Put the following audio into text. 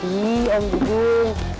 ih om dudung